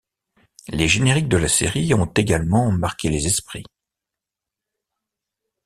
Les génériques de la série ont également marqué les esprits.